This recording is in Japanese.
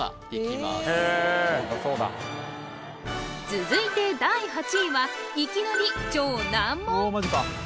続いて第８位はいきなり超難問